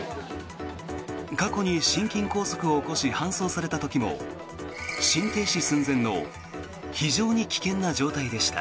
過去に心筋梗塞を起こし搬送された時も心停止寸前の非常に危険な状態でした。